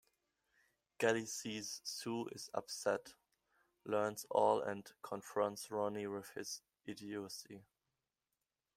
Gally sees Sue is upset, learns all and confronts Ronnie with his idiocy.